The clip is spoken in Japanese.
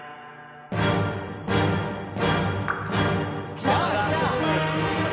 来た！